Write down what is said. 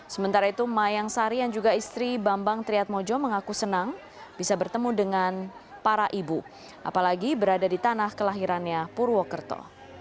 sementara itu mayang sari yang juga istri bambang triatmojo mengaku senang bisa bertemu dengan para ibu apalagi berada di tanah kelahirannya purwokerto